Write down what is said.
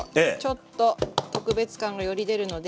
ちょっと特別感がより出るので。